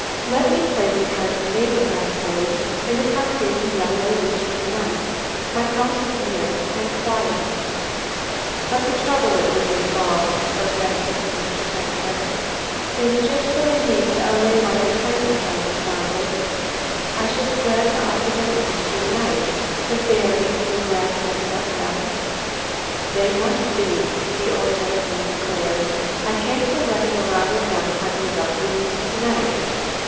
"Let me play the part of a neighbor," I prayed, "and accommodate the young ladies for the night. My house is near and quiet." "But the trouble it will involve," protested Mr. Franklin. "Is just what I need to allay my excitement," I responded. "I shall be glad to offer them rooms for the night. If they are equally glad to accept them " "They must be!" the old gentleman declared. "I can't go running round with them hunting up rooms to night.